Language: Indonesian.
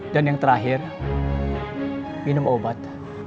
dan yang terakhir minum obat